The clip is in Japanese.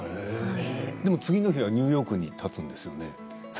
でも次の日はニューヨークにたつんですよね。